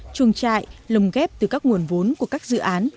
chuồng trại lồng ghép từ các nguồn vốn của các dự án